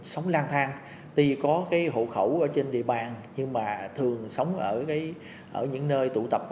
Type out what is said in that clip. sống lang thang tuy có hộ khẩu trên địa bàn nhưng thường sống ở những nơi tụ tập